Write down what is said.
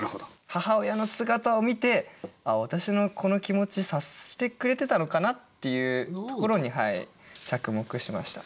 母親の姿を見て「あっ私のこの気持ち察してくれてたのかな？」っていうところに着目しました。